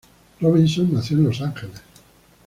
Robinson nació en Los Ángeles.